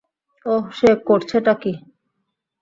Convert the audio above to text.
ওহ, সে করছে টা কি?